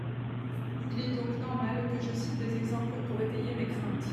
Il est donc normal que je cite des exemples pour étayer mes craintes.